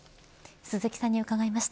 鈴木さんに伺いました。